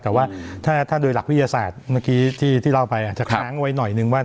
แต่ว่าถ้าโดยหลักวิทยาศาสตร์เมื่อกี้ที่เล่าไปอาจจะค้างไว้หน่อยนึงว่า